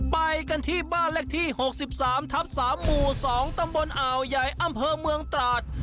ไปกันที่บ้านเลขที่๖๓ทับ๓หมู่๒ตำบลอ่าวใหญ่อำเภอเมืองตราด